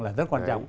là rất quan trọng